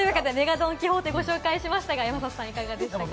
ドン・キホーテをご紹介しましたが、山里さん、いかがでしたか？